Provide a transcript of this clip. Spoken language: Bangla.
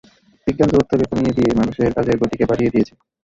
বিজ্ঞান দূরত্বকে কমিয়ে দিয়ে মানুষের কাজের গতিকে বাড়িয়ে দিয়েছে।